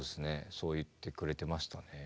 そう言ってくれてましたね。